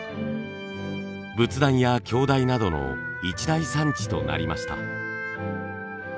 仏壇や鏡台などの一大産地となりました。